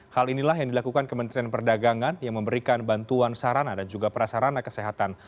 hal inilah yang dilakukan kementerian perdagangan yang memberikan bantuan sarana dan juga prasarana kesehatan